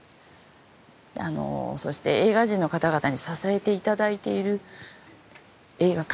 あのそうして映画人の方々に支えていただいている映画館と。